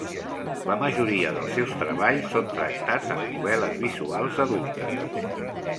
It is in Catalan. La majoria dels seus treballs són tractats amb novel·les visuals adultes.